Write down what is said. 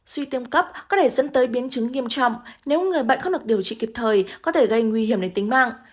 suy tim cấp có thể dẫn tới biến chứng nghiêm trọng nếu người bệnh không được điều trị kịp thời có thể gây nguy hiểm đến tính mạng